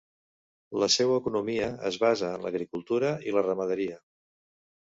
La seua economia es basa en l'agricultura i la ramaderia.